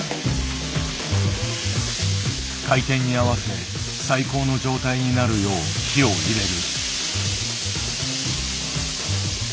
開店に合わせ最高の状態になるよう火を入れる。